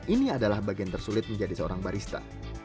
ini adalah bagian tersulit menjadi seorang barista